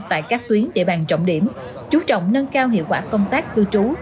tại các tuyến địa bàn trọng điểm chú trọng nâng cao hiệu quả công tác cư trú